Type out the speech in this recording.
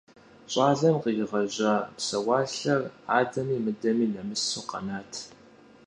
ЩӀалэм къригъэжьа псэуалъэр адэми мыдэми нэмысу къэнат.